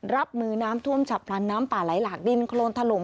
รับมือน้ำท่วมฉับพลันน้ำป่าไหลหลากดินโครนถล่ม